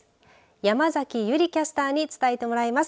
山崎優里キャスターに伝えてもらいます。